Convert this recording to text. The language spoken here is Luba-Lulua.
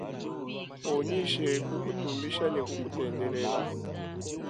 Unyishe kukutumbisha ne kukutendela.